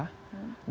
gaya di udara